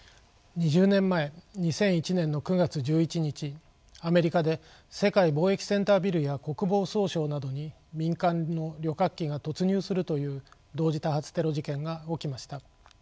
２０年前２００１年の９月１１日アメリカで世界貿易センタービルや国防総省などに民間の旅客機が突入するという同時多発テロ事件が起きました。